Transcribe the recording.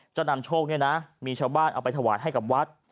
นำโชคเนี่ยนะมีชาวบ้านเอาไปถวายให้กับวัด